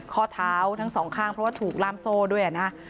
ข้อเท้าทั้งสองข้างเพราะว่าถูกล่ามโซ่ด้วยนะ